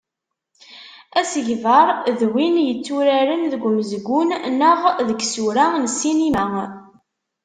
Asegbar d win yetturaren deg umezgun neɣ deg isura n ssinima.